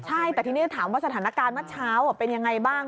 ใช่แต่ทีนี้ถามว่าสถานการณ์เมื่อเช้าเป็นยังไงบ้าง